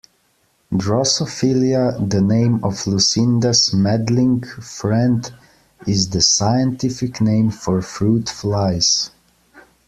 Drosophila, the name of Lucinda's meddling "friend", is the scientific name for fruit flies.